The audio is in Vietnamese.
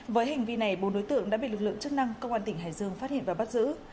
với hành vi này bốn đối tượng đã bị lực lượng chức năng công an tỉnh hải dương phát hiện và bắt giữ